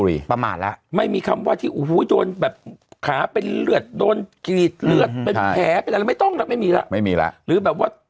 ตอนนี้ความฆาตกรรมของคดีนี้ได้ไม่มีเลย